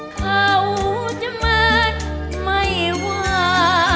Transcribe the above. เขาจะมาไม่ว่า